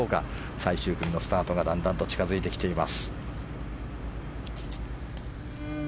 最終組のスタートがだんだんと近づいています。